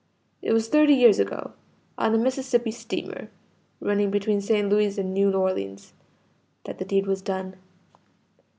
"It was thirty years ago, on a Mississippi steamer, running between St. Louis and New Orleans, that the deed was done.